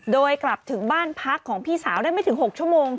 โดยกลับถึงบ้านพักของพี่สาวได้ไม่ถึง๖ชั่วโมง